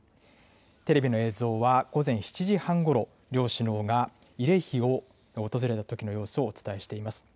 テレビの映像は、午前７時半ごろ、両首脳が慰霊碑を訪れたときの様子をお伝えしています。